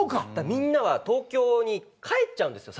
みんなは東京に帰っちゃうんですよ。